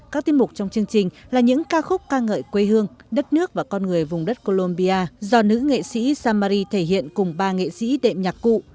các tiết mục trong chương trình là những ca khúc ca ngợi quê hương đất nước và con người vùng đất colombia do nữ nghệ sĩ samari thể hiện cùng ba nghệ sĩ đệm nhạc cụ